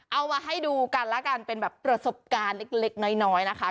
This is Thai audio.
เอามาให้ดูกันแล้วกันเป็นแบบประสบการณ์เล็กน้อยนะคะ